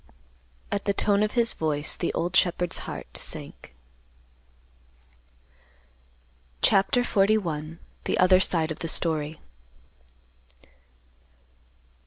At the tone of his voice, the old shepherd's heart sank. CHAPTER XLI. THE OTHER SIDE OF THE STORY.